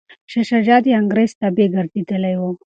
شاه شجاع د انګریز تابع ګرځېدلی و.